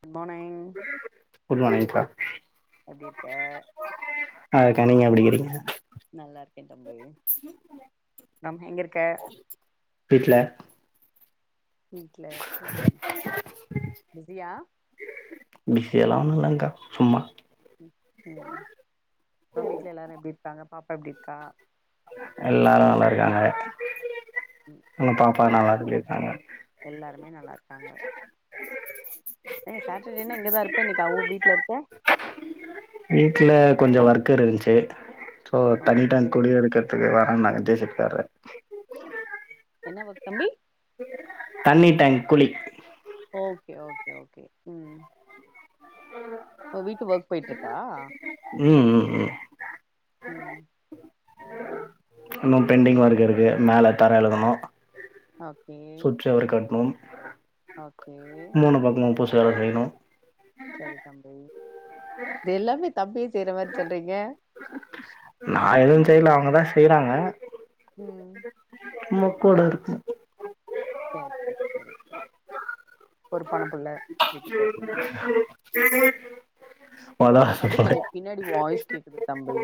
Good மானிங் good மார்னிங்க்கா எப்டி இருக்க நல்லாருக்க நீங்க எப்டிக்கிறீங்க நல்லா இருக்கே தம்பி தம் எங்க இருக்க வீட்ல வீட்ல ம் பிஸியா பிஸ்சியெல்லா ஒன்னு இல்லங்க்கா சும்மா ம் அப்றோ வீட்ல எல்லாரு எப்டி இருக்காங்க பாப்பா எப்டி இருக்கா எல்லாரு நல்லா இருக்காங்க ம் எங்கள் சரி பாப்பா நல்லா தம்பி இருக்காங்க [inaudible] எல்லாருமே நல்லா இருக் க்காங்க ஏ சாட்டர்டேனா இங்கதா இருப்ப இன்னைக்கி அவு வீட்ல இருக்க வீட்ல கொஞ்ச ஒர்க் இருந்ச்சு சோ தண்ணி ஓகே டேங்க் குழி எடுக்கற்துக்கு வரன்னாங்க ஜே சி பி க்காரு என்ன ஒர்க் தம்பி தண்ணி டேங்க் குலி ஓக்கே ஓக்கே ஓக்கே ம் இப்பொ வீட்டு ஒர்க் போயிட்ருக்கா ம் ம் ம் ம் இன்னு பெண்டிங் ஒர்க் இருக்கு மேல தர எழுகணு ஓகே சுற்றி அவரை கட்ணோ ஆ ஓகே வேற செய்ணு சரி தம்பி இது எல்லாமே தம்பியே செய்ற மாரி சொல்றீங்க நா எதுவு செய்ல அவங்கதா செய்றாங் க உம் முக்கோட இருக்கு சரி சரி சரி ஒரு பணப்புள்ள உம் தம்பி கொஞ்சொ பின்னாடி வாய்ஸ் கேக்குது தம்பி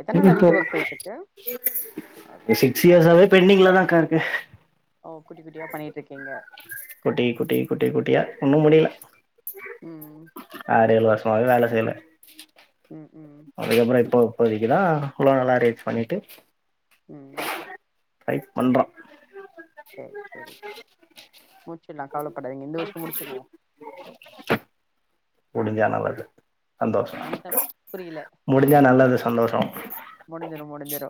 எத்தன் நாளா இப்போ வீட்டு வர்க் போயிட்ருக்கு சிக்ஸ் இயர்ஸாவே பெண்டிங்லதாக்கா இருக்கு ஓ குட்டி குட்டியா பண்ணிட்டு இருக்கீங்க குட்டி குட்டி குட்டி குட்டியா ஒன்னு முடில ம் ஆர் ஏழு வருஷ் யாரு வேல செய்ல ம் ம் அதுக்கப்புற இப்பொ இப்போதிக்குதா குலங்கல்லா ரேட் பண்ணிட்டு உம் டைட் பண்ற சேர் சேரி மூச்சில்லா கவுலப்படாதிங்க இந்த வர்ஷு முடுச்சிருவோ உடுஞ்சான வருடு சந்தோசொ தம் புரியல முடிஞ்சா நல்லது சந்தோசொ முடிஞ்சிரு முடிஞ்சிரு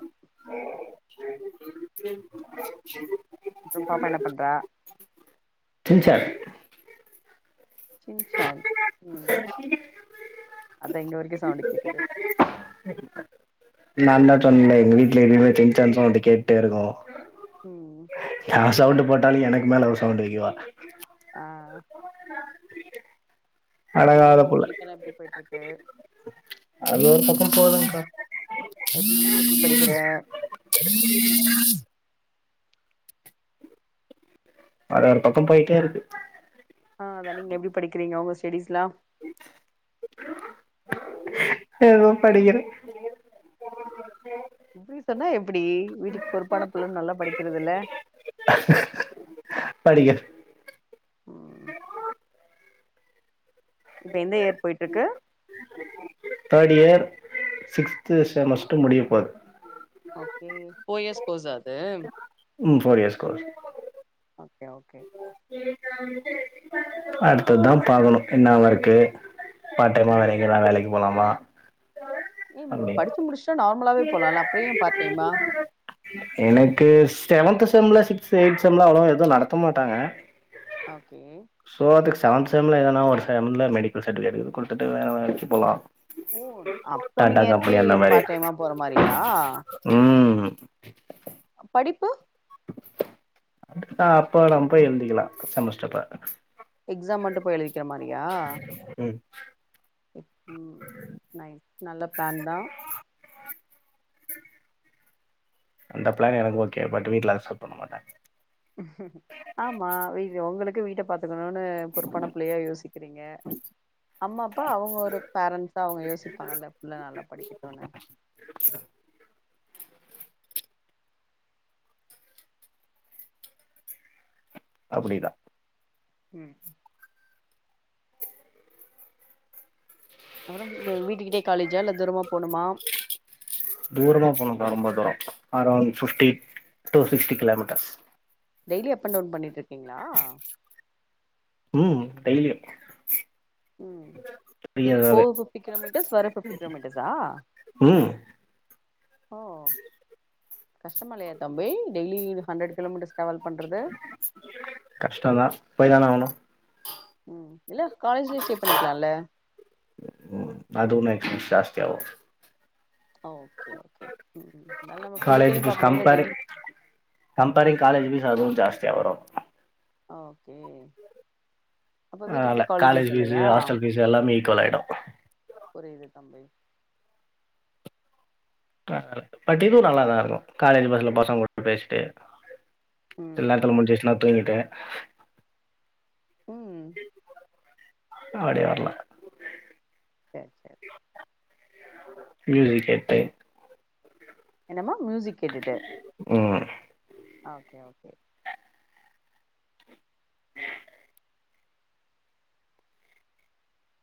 இப்பம் பாப்பா என்ன பண்ற சின்சான் சின்சேன் ம்ம் அத இங்க வரிக்கு சவுண்டு கேக்குது நாந்தா சொன்லே எங்க வீட்ல எப்பிமே சின்சான் சவுண்டு கேட்டே இருக்கு ம் ஹ சவுண்டு போட் எனக்கு மேல அவ சவுண்ட் வைக்குவா ஆ அழகாத அப்புறம் உம் புள்ள படிப்புலா எப்டி போய்ட்ருக் கு அது ஒரு பக்கம் போதுங்க்கா எப்டி நீ எப்டி படிக்கிற அது ஒரு பக்கம் போய்ட்டே இருக்கு ஆ அத நீங்க எப்படி படிக்கிறிங்க உங்க ஸ் டடிஸ்லா ஏதோ படிக்கிற இப்பிடி சொன்னா எப்டி வீட்டுக்கு பொறுப்பான புள்ள நல்லா படிக்கிறதில்ல படிக்க இப்ப எந்த இயர் போய்ட்ருக்கு தேர்ட் இயர் சிக்ஸ்த் ம் செமஸ்டர் முடியப்போது ஓகே ஃபோர் இயர்ஸ் கோர்ஸா அது ம் four years course okay okay அடுத்ததுதா பாக்கணு என்னா ஒர்க்கு பார்ட் டைமா வேறெங்கயாதா வேலைக்கு போலாமா நீ அப்டின்னு படிச்சு முடிச்சுட்டா நார்மலாவே போலால்ல அப்ற ஏ பார்ட் டைம்மா எனக்கு செவன்த் செம்ல சிக்ஸ்த் எய்ட் செம்ல அவ்ளோவா எதுவு நடத்த மாட்டாங்க ஓகே சோ அதுக்கு செவன்த் செம்ல எதனா ஒரு செம்ல மெடிக்கல் சர்டிஃபிகேட் கீது குடுத்துட்டு வேற வேலக்கி போலா ஓ அப்கமிங் டாடா இயருக்கே பார்ட் டைமா போறமாரி யா உம் படிப்பு அதான் அப்பறம் பேய் எழுதிக்கலாம் செமஸ்ட்ர் அப்ப எக்ஸாம் மட்டும் போய் எலுதிக்கிறமாரியா ம் ம் நைஸ் நல்ல பிளான் தான் அந்த பிளான் எனக்கு ஓகே பட் வீட்ல அக்சப்ட் பண்ண மாட்டாங்க ஆமா வீஜ்எ உங்களுக் கு வீட்ட பாத் துக்கனுன்னு பொறுப்பான பிள்ளையா யோசிக்கிறீங்க அம்மா அப்பா அவுங்க ஒரு பேரன்ஸா அவங்க யோசிப்பாங்க ல்ல புள்ள நல்லா படிக்கட்டுன்னு. அப்படிதா உம் அப்புறம் வீட்டுக்கிட்டே காலேஜா இல்ல தூரமா போணுமா தூரமா போணுக்கா ரொம்ப தூரோ around fifty to sixty kilometres. Daily அப்பன் டவுன் பண்ணிட்டு இருக்கீங்களா. உம் கைல. ம் டெய்லி ஃபோர் ஃபிஃப்டி கிலோமீட்டர்ஸ் வர ஃபிஃப்டி கிலோமீட்டர்ஸா ம் ஓ. கஷ்டமா இல்லையா தம்பி டெய்லி ஹண்ட்ரட் கிலோமீட்டர். கஷ்டந்தான் போய் தான ஆகணும். ம் இல்ல காலேஜ்ல ஸ்டே பண்ணிக்கலாம்ல. லோ [unintelligible] ஓகே ஓகேம் நல்ல நம்ம பிசிக்கல பானும் இல்ல டெய்லி தியா வரும் ஓகே. அப்ப வீட்டுக்கிட்ட ஆல்ல காலேஜ் காலேஜஸ் ஃபீஸு இல்லையா ஹாஸ்டல் ஃபீஸ் எல்லாமே ஈக்குவல் ஆயிடும். புரியுது தம்பி. [unintelligible] பட்டிதும் நல்லாதான் இருக்கும் காலேஜ் பஸ்ல பசங்க கூட பேசிட்டு ம் சில நேரத்துல முடிஞ்சச்சன்னா தூங்கிட்டு. ம் அப்டி வரலா சரி சரி மியூசிக் கேட்டு என்னம்மா மியூசிக் கேட்டுட்டு ம் ஓகே ஓகே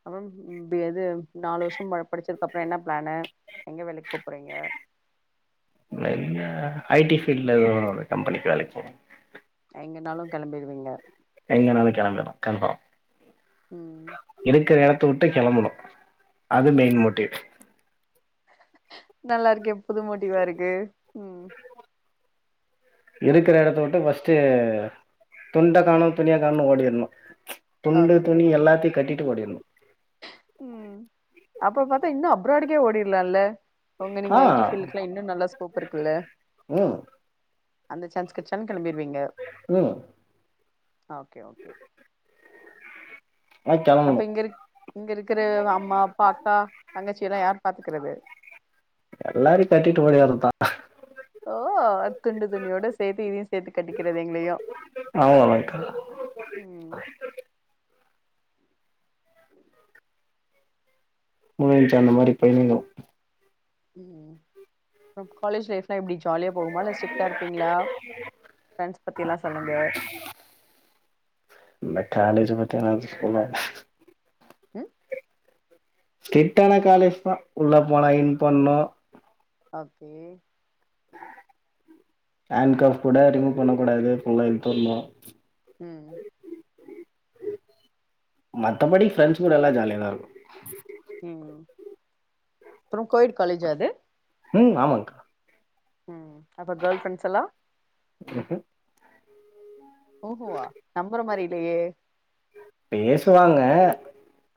அப்றம் [unintelligible] எது நாலு வருஷம் ப படிச்சதுக்கு அப்புறம் என்ன பிளானு எங்க வேலைக்கு போ போறீங்க. அ ஐ டி ஃபீல்ட்ல ஒரு கம்பெனிக்கு அலைக்க எங்கனாலு கெளம்பிருவீங்க. எங்கனாலு கெளம்பிடுவோ கன்ஃபார்ம் ம் இருக்குற எடத் த்தவிட்டு கெளம்பனு அது மெயின் மோட்டிவ் நல்லா இருக்கே புது மோட்டிவா இருக்கு உம் இருக்குற எடத்த விட்டு ஃபஸ்ட்டு துண்ட காணோ துணிய காணோன் ஓடிட்ணு ஒகே உம் அப்ப பாத்தா இன்னு அப் ராடுக்கே ஓடிர்லால ஒங்க ஆ நீங்க ஐ டி ஃபீல்டுக்குலா இன்னு நல்லா ஸ்கோப் இருக்குல்ல ம் அந்த சான்ஸ் கெட்ச்சோன கெளம்பிருவீங்க ம் ஓகே ஓகே ஆ அப்ப கெளம்பணு இங்க இரு இங்க இருக்குற அம்மா அப்பா அக்கா தங்கச்சியலா யார் பாத்துக்கிறது எல்லாரையு கட்டிட்டு ஓடிவறதுதா ஓ அத் துண்டு துணியோட சேத்து இதையு சேத்து கட்டிக்கிறது எங்களையு அவ்ளோதாக்கா உம் முழுஞ்ச்சா அந்த மாரி பெய்னிங்கு உம் அப்ற காலேஜ் லைப் லா எப்டி ஜாலியா போகுமா இல்ல ஸ்டிக்டா இருப்பீங்ளா ஃப்ரெண்ட்ஸ் பத்தி எல்லா சொல்லுங்க தேனாது தெரியாது உம் ஸ்டிட்டான காலேஜ் தா உள்ள போனா இன் பண்ணு ஓகே ஹேண்ட் கஃப் கூட ரிமூவ் பண்ணக்கூடாது ஃபுல்லா இழுத்து விட்ணு உம் மத்தபடி ஃப்ரெண்ஸ் கூட எல்லா ஜாலியாக தா இருக்கு உம் அப்றோ கோயட் காலேஜ்ஜா அது உம் ஆமாங்க்கா உம் அப்ப கேர்ள் ஃப்ரெண்ட்ஸ் எல்லா ம்ஹ்ம் ஓஹோவா நம்புற மாரி இல்லையே பேசுவாங்க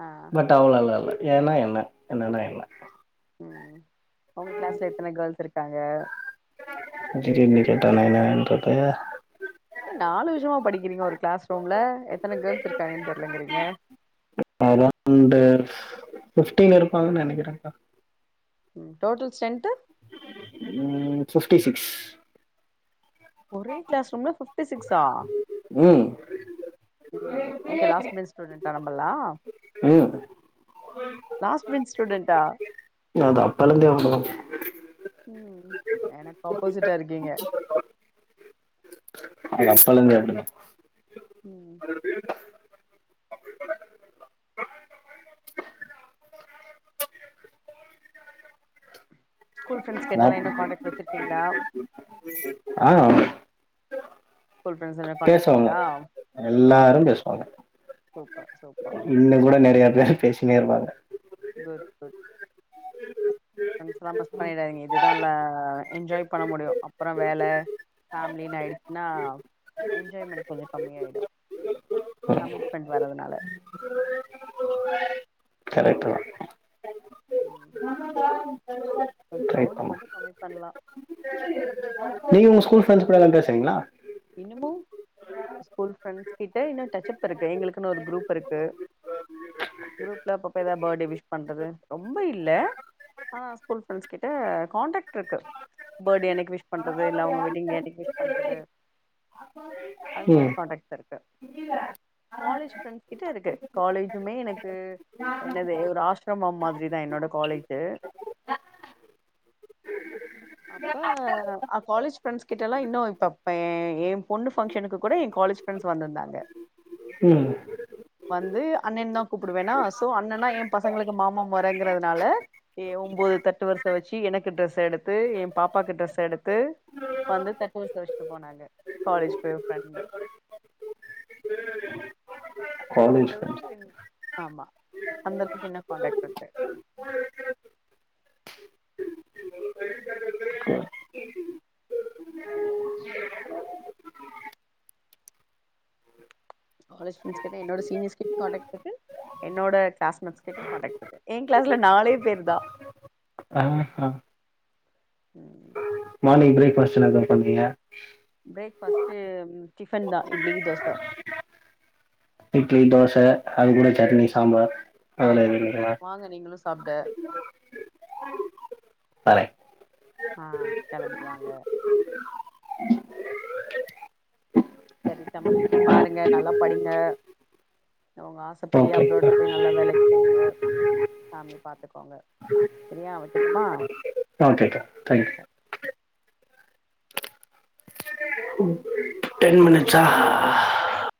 ஆ பட் அவ்ளலா இல்ல ஏனா என்ன என்னன்னா என்ன ஒங்க கிளாஸ்ல எத்தன கேர்ள்ஸ் இருக்கு க்காங்க திடீர்னு கேட்டா நா என்னன்றது இருங்க ஒரு கிளாஸ் ரூம்ல எத் எத்தன கேர்ள்ஸ் இருக்காங்கன் தெர்லங்கிறீங்க பிப்டீன் இருப்பாங்கன்னு நினைக்கிறாங்க டோட்டல் ஸ்ட்ரென்த்து உம் ஃபிட்டி சிக்ஸ் ஒரே கிளாஸ் ரூம்ல ஃபிப்டி சிக்ஸா உம் எங்க லாஸ்ட் பெஞ்ச் ஸ்டுடென்ட் நம்பல்லாம் ம் லாஸ்ட் பெஞ்ச் ஸ்டுடென்ட அது அப்போதிலிருந்து [unintelligible] உம் எனக்கு ஆப்போசிட்டா இருக்கிங்க அது அப்பல இருந்தே அப்படித்தா உம் ஸ்கூல் பிரெண்ட்ஸ் கிட்ட அதா எல்லாம் காண்டாக்ட் வச்சிருக் இருக்கீங்களா ஆஹ் ஸ்கூல் ஃப்ரண்ட்ஸோட கான்டேக்ட் இருக்கா [unintelligible] ஓகே சூப்பர் சூப்பர் இன்னுங்கூட நெறைய பேர் பேசினேருப்பாங்க [unintelligible] குட் குட் ஃப்ரெண்டஸ்லா மிஸ் பண்ணிடாதிங்க இதுதா இல்ல என்ஜாய் பண்ண முடியு அப்பற வேல ஃபேமிலினு ஆயிடுச்சினா என்ஜாய்மெண்ட் கொஞ்ச கம்மியாயிடு ம் கமிட்மெண்ட் வரதுனால கரெக்ட்டு தா ம் ம் [unintelligible] ட்ரை சவுண்ட பண்ணு மட்டும் கம்மி பண்லாம் நீங்க உங்க ஸ்கூல் ஃப்ரெண்டஸ் கூடலா பேசுவின்ங்களா இன்னுமு ஸ்கூல் ஃப்ரெண்டஸ் கிட்ட இன்னு டச்சப் இருக்கு எங்களுக்குனு ஒரு குரூப் இருக்கு குரூப்ல அப்பப்ப எதா பர்த்டே விஷ் பண்றது ரொம்ப இல்ல ஆனா ஸ்கூல் ஃப்ரெண்டஸ்கிட்ட காண்டாக்ட்ருக்கு பர்த்டே அன்னைக்கு விஷ் பண்றது இல்ல அவங்க வெட்டிங் டே அன்னிக்கு விஷ் பண்றது அது மாரி ம் கண்ட்டாக்ட்ஸ் இருக்கு காலேஜ் ஃப்ரண்ட்ஸ் கிட்ட இருக்கு காலேஜுமே எனக்கு என்னது ஒரு ஆசிரமம் மாதிரிதா என்னோட காலேஜு அப்ப ஆ காலேஜ் ஃப்ரெண்ட்ஸ் கிட்டலா இன்னும் இப்ப ஏன் என் பொண்ணு பங்க்ஷனுக்கு கூட என் காலேஜ் ஃப்ரெண்ட்ஸ் வந்திருந்தாங்க ம் வந்து அண்ணன் தா கூப்பிடுவேனா சோ அண்ணன்னா என் பசங்களுக்கு மாமா மொரங்கறதுனால ஏ ஒன்பது தட்டு வருச வச்சி எனக்கு ட்ரெஸ் எடுத்து டுத்து என் பாப்பாக்கு ட்ரெஸ் எடுத்து வந்து தட்டு வருச வச்சுட்டு போனாங்க காலேஜ் போய் ஃப்ரெண்டு அந்த காலேஜ் அளவுக்கு ஃப்ரெண்ட்ஸ் ஆமா அந்த அளவுக்கு என்னு கான்டாக்ட் இருக்கு காலேஜ் ஃப்ரெண்டஸ் கிட்ட என்னோட சீனியர்ஸ்ட்யு காண்ட்டாக்ட்ஸ் இருக்கு என்னோட க்ளாஸ் மெட்ஸ்டயும் காண்ட்டாக்ட்ஸ் இருக்கு என் கிளாஸ்ல நாலே பேர்தா ஆ ஆ மார்னிங் பிரேக்பாஸ்ட் என்ன [unintelligible] பண்ணீங்க பிரேக்பாஸ்டு டிபன் தா இட்லி தோச இட்லி தோசை அது கூட சட்னி சாம்பார் அதெல்லாம் ஆமா எதுவும் இல்லைங்களா வாங்க நீங்களும் சாப்ட வரேன் ஆ கிளம்பிருவாங்க [unintelligible] சரி தம்பி பாருங்க நல்லா படிங்க அவங்க ஆசைப்படியே அப்ராட்ல ஓகேக்கா போய் நல்லா வேலைக்கு செய்ங்க ஃபேமிலி பார்த்துக்கோங்க சரியா வைக்கட்டுமா ஓகேக்கா தேங்க்யூ டென் மினிட்ஸா [unintelligible]